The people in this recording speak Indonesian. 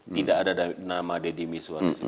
tidak ada nama deddy miswar di situ